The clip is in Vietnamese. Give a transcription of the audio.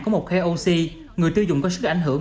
của một koc người tiêu dùng có sức ảnh hưởng